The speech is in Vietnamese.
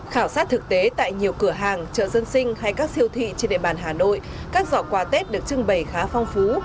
khảo sát thực tế tại nhiều cửa hàng chợ dân sinh hay các siêu thị trên địa bàn hà nội các giỏ quà tết được trưng bày khá phong phú